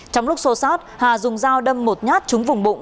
trong lúc xô xát hà dùng dao đâm một nhát trúng vùng bụng